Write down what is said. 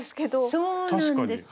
そうなんですよ。